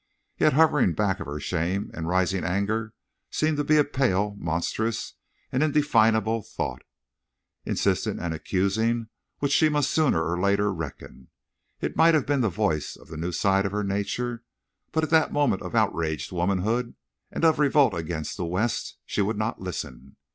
Yet hovering back of her shame and rising anger seemed to be a pale, monstrous, and indefinable thought, insistent and accusing, with which she must sooner or later reckon. It might have been the voice of the new side of her nature, but at that moment of outraged womanhood, and of revolt against the West, she would not listen.